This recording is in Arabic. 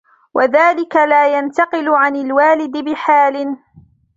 وَذَلِكَ لَا يَنْتَقِلُ عَنْ الْوَالِدِ بِحَالٍ